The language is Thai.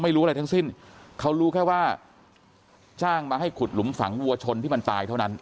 ไม่รู้อะไรทั้งสิ้นเขารู้แค่ว่าจ้างมาให้ขุดหลุมฝังวัวชนที่มันตายเท่านั้น